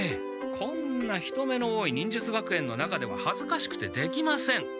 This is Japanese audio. こんな人目の多い忍術学園の中でははずかしくてできません。